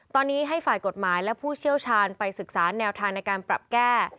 ตอนนี้ให้ฝ่ายกฎหมายและผู้เชี่ยวชาญไปศึกษาแนวทางในการปรับแก้